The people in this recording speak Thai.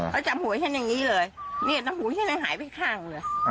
เขาจับหัวฉันอย่างนี้เลยเนี่ยแล้วหัวฉันยังหายไปข้าง